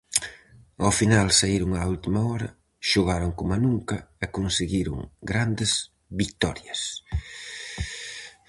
Ao final saíron á última hora, xogaron coma nunca e conseguiron grandes vitorias.